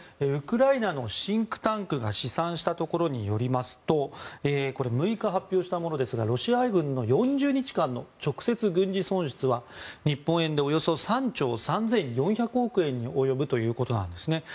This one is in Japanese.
ウクライナのシンクタンクが試算したところによりますと６日発表したものですがロシア軍の４０日間の直接軍事損失は日本円でおよそ３兆３４００億円に上るということです。